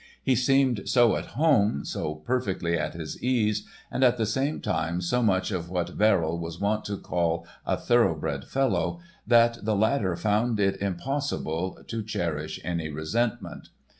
He seemed so at home, so perfectly at his ease, and at the same time so much of what Verrill was wont to call a "thoroughbred fellow" that the latter found it impossible to cherish any resentment.